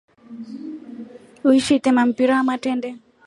Wishi itema mpira wa matendee?